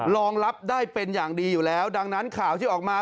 รองรับได้เป็นอย่างดีอยู่แล้วดังนั้นข่าวที่ออกมา